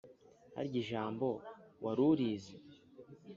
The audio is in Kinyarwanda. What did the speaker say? Harya ijambo wari urizi